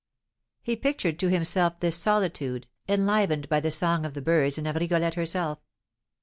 He pictured to himself this solitude, enlivened by the song of the birds and of Rigolette herself.